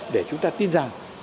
để chúng ta tin rằng